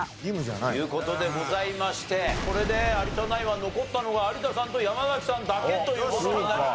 という事でございましてこれで有田ナインは残ったのが有田さんと山さんだけという事になりました。